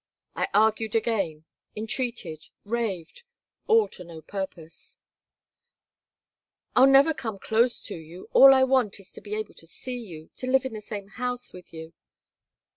I argued again, entreated, raved, all to no purpose "I'll never come close to you. All I want is to be able to see you, to live in the same house with you."